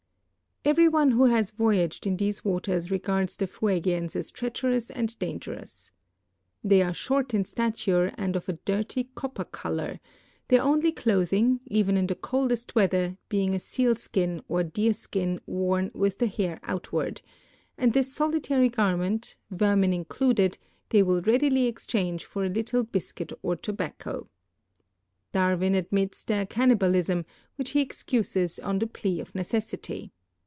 Every one who has voyaged in these waters regards the Fuegians as treacherous and dangerous. They are short in stature and of a dirty copper cohjr, their only clothing, even in the coldest weather, being a sealskin or deerskin worn with the hair outward, and this solitary garment, vermin included, they will readily exchange for a little biscuit or tobacco. Darwin admits their cannibalism, which lie excuses on the plea of necessity.